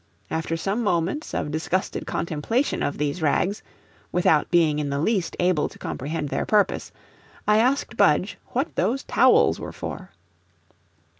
After some moments of disgusted contemplation of these rags, without being in the least able to comprehend their purpose, I asked Budge what those towels were for.